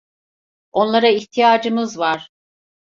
Onlara ihtiyacımız var.